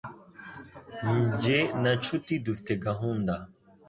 Jye na nshuti dufite gahunda